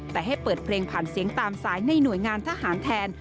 แต่ให้เปิดเพลงผ่านเสียงตามสายในหน่วยงานทหารแทน